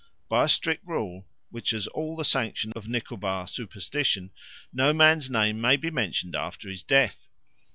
By a strict rule, which has all the sanction of Nicobar superstition, no man's name may be mentioned after his death!